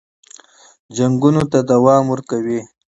جنګونو ته دوام ورکوي.